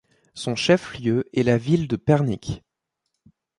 Son chef-lieu est la ville de Pernik.